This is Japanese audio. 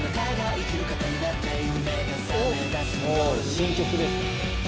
新曲ですね。